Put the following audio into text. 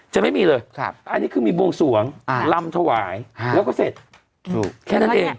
จะไม่มีเลยอันนี้คือมีบวงสวงลำถวายแล้วก็เสร็จแค่นั้นเอง